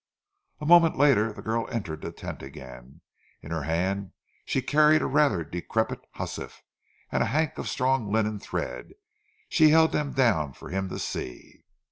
A moment later the girl entered the tent again. In her hand she carried a rather decrepit hussif and a hank of strong linen thread. She held them down for him to see.